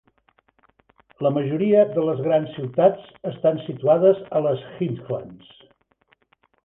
La majoria de les grans ciutats estan situades a les Highlands.